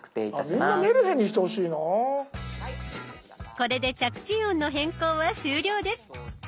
これで着信音の変更は終了です。